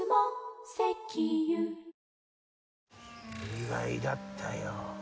意外だったよ。